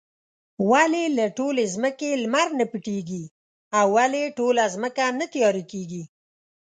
ولې له ټولې ځمکې لمر نۀ پټيږي؟ او ولې ټوله ځمکه نه تياره کيږي؟